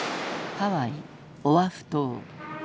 ハワイオアフ島。